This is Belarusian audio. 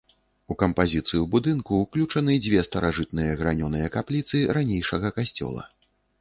У кампазіцыю будынку ўключаны две старажытныя гранёныя капліцы ранейшага касцёла.